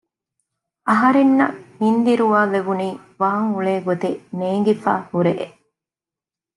އަހަރެންނަށް ހިންދިރުވާލެވުނީ ވާންއުޅޭ ގޮތެއް ނޭނގިފައި ހުރޭ